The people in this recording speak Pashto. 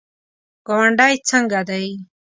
ګاونډی څنګه دی؟